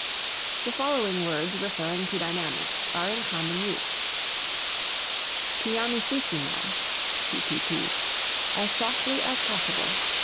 The following words referring to dynamics are in common use: Pianisissimo (ppp) as softly as possible.